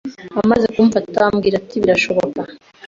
Amaze kumfata ambwira ati 'Birashoboka